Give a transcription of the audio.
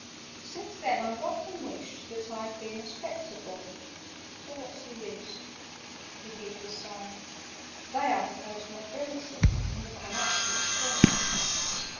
"Since then I've often wished that I Had been a Spectre born. But what's the use?" (He heaved a sigh.) "They are the ghost nobility, And look on us with scorn.